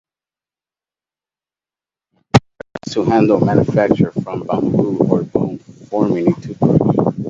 They were attached to a handle manufactured from bamboo or bone, forming a toothbrush.